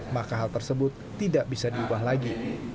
maka hal tersebut tidak bisa diubah lagi